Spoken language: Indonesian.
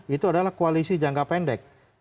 itu adalah koalisi jangka pendek